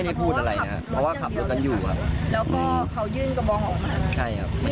ไม่ได้พูดอะไรนะครับเพราะว่าขับกันอยู่ครับ